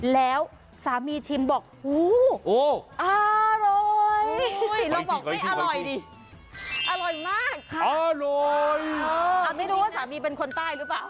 แล้วสามีชิมบอกอร่อยอร่อยมากอร่อยไม่รู้ว่าสามีเป็นคนใต้หรือเปล่า